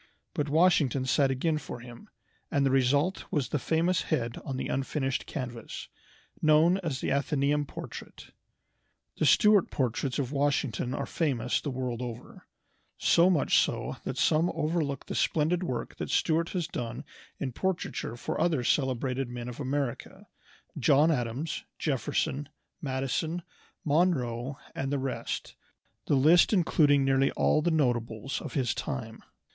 But Washington sat again for him, and the result was the famous head on the unfinished canvas, now known as the "Athenæum" portrait. The Stuart portraits of Washington are famous the world over; so much so that some overlook the splendid work that Stuart has done in portraiture for other celebrated men of America John Adams, Jefferson, Madison, Monroe, and the rest, the list including nearly all the notables of his time.